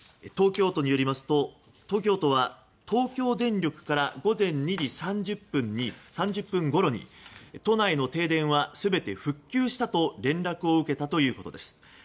東京都によりますと東京都は東京電力から午前２時３０分ごろに都内の停電は全て復旧したと連絡を受けたということです。